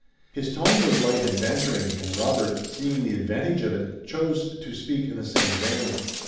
His tone was light and bantering and Robert, seeing the advantage of it, chose to speak in the same vein.